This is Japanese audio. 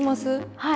はい。